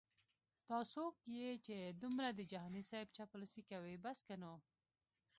دا څوک یې چې دمره د جهانې صیب چاپلوسې کوي بس که نو